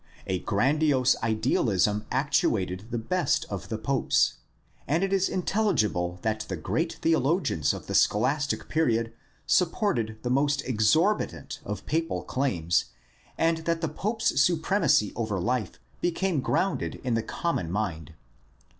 A grandiose idealism actuated the best of the popes, and it is intelligible that the great theologians of the scholastic period supported the most exorbitant of papal claims and that the pope's supremacy over life became grounded in the common mind.